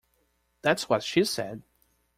That's what she said!